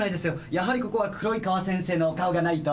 やはりここは黒井川先生のお顔がないと。